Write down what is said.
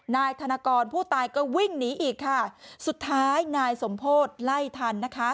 นายธนกรผู้ตายก็วิ่งหนีอีกค่ะสุดท้ายนายสมโพธิไล่ทันนะคะ